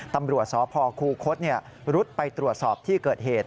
ตำรวจสพคูคศรุดไปตรวจสอบที่เกิดเหตุ